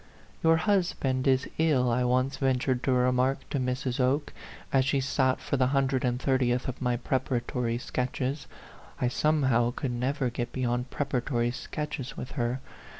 " Your husband is ill," I once ventured to remark to Mrs. Oke, as she sat for the hun dred and thirtieth of my preparatory sketches (I somehow could never get beyond prepara tory sketches with her).